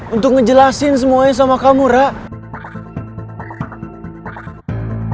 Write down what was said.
untuk ngejelasin semuanya sama kamu rak